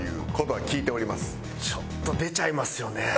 ちょっと出ちゃいますよね。